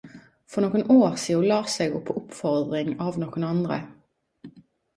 For nokon år sida las eg ho på oppfordring av nokon andre.